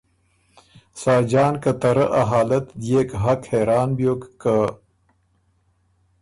ساجان که ته رۀ ا حالت دئېک حق حېران بیوک که ”